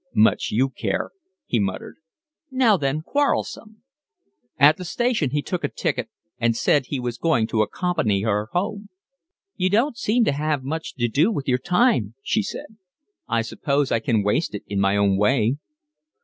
"Much you care," he muttered. "Now then, quarrelsome." At the station he took a ticket and said he was going to accompany her home. "You don't seem to have much to do with your time," she said. "I suppose I can waste it in my own way."